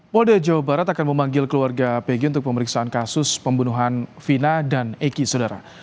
pol deja wabarat akan memanggil keluarga peggy untuk pemeriksaan kasus pembunuhan vina dan eki saudara